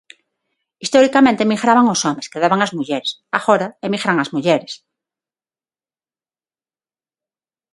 Historicamente emigraban os homes, quedaban as mulleres; agora emigran as mulleres.